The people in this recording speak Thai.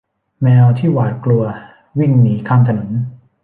แมวที่หวาดกลัววิ่งหนีข้ามถนน